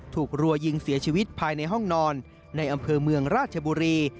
รัวยิงเสียชีวิตภายในห้องนอนในอำเภอเมืองราชบุรี